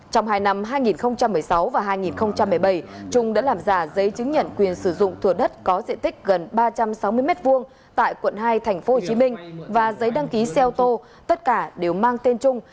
trong hai năm hai nghìn một mươi sáu và hai nghìn một mươi bảy trung đã làm giả giấy chứng nhận quyền sử dụng thuộc đất có diện tích gần ba trăm sáu mươi m hai tại quận hai thành phố hồ chí minh và giấy đăng ký xe ô tô tất cả đều mang tên trung